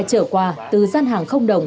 trở qua từ gian hàng không đồng